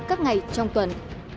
các ngày trong tuần